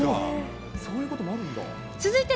そういうこともあるんだ。